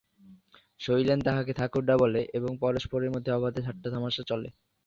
শৈলেন তাঁহাকে ঠাকুরদা বলে, এবং পরস্পরের মধ্যে অবাধে ঠাট্টাতামাশা চলে।